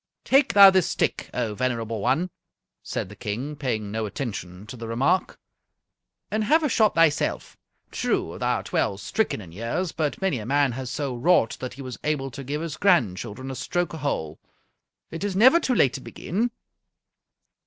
"Take thou this stick, O venerable one," said the King, paying no attention to the remark, "and have a shot thyself. True, thou art well stricken in years, but many a man has so wrought that he was able to give his grandchildren a stroke a hole. It is never too late to begin."